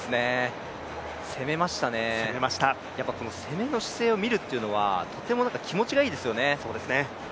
攻めましたね、攻めの姿勢が見られるというのは気持ちがいいですよね。